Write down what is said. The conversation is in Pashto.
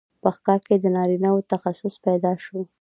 په ښکار کې د نارینه وو تخصص پیدا شو.